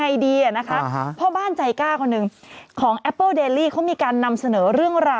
พะที่บ้านพี่เล่น